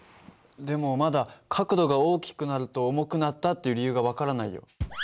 でもまだ角度が大きくなると重くなったっていう理由が分からないよ。